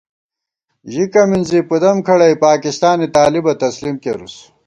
ژِکہ مِنزی پُدَم کھڑَئی پاکستانےطالِبہ تسلیم کېرُوس